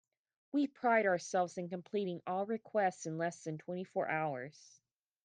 We pride ourselves in completing all requests in less than twenty four hours.